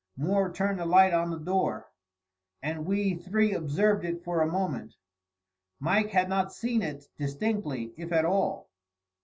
Moore turned the light on the door, and we three observed it for a moment. Mike had not seen it distinctly, if at all.